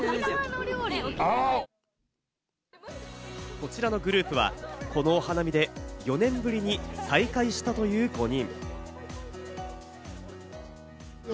こちらのグループは、このお花見で４年ぶりに再会したという５人。